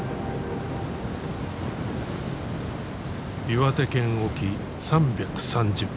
岩手県沖３３０キロ。